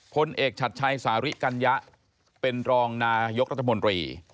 พลเอกชัดชัยสาริกัญญะเป็นรองนายกรัฐมนตรี